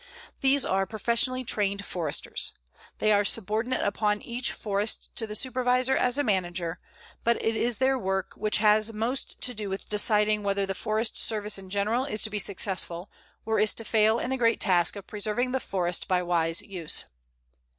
These are professionally trained Foresters. They are subordinate upon each forest to the Supervisor as manager, but it is their work which has most to do with deciding whether the Forest Service in general is to be successful or is to fail in the great task of preserving the forest by wise use.